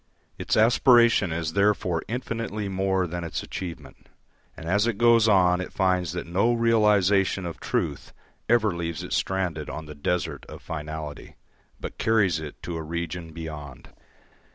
Its aspiration is therefore infinitely more than its achievement, and as it goes on it finds that no realisation of truth ever leaves it stranded on the desert of finality, but carries it to a region beyond.